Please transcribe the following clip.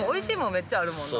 めっちゃあるもんな。